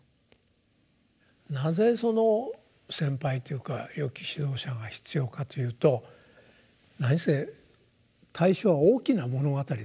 なぜその先輩というかよき指導者が必要かというと何せ「歎異抄」は「大きな物語」ですよ。